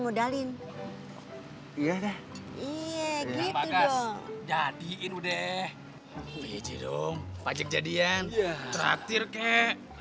modalin iya iya gitu dong jadiin udah pijirung pajak jadian terakhir kek